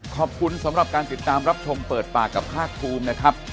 ขอบคุณสำหรับการติดตามรับชมเปิดปากกับภาคภูมินะครับ